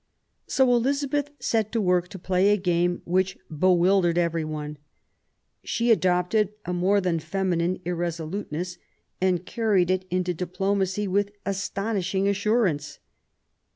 So Elizabeth set to work to play a game which bewildered every one. She adopted a more than feminine irresoluteness, and carried it into diplomacy with astonishing assurance.